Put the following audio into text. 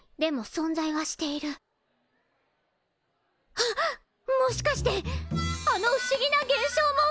はっもしかしてあの不思議な現象も。